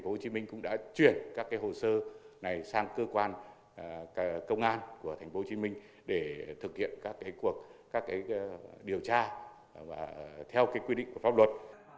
cục thuế tp hcm cũng đã chuyển các hồ sơ này sang cơ quan công an của tp hcm để thực hiện các điều tra theo quy định của pháp luật